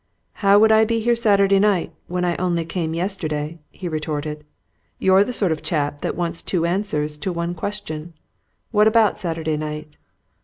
"How would I be here Saturday night when I only came yesterday?" he retorted. "You're the sort of chap that wants two answers to one question! What about Saturday night?"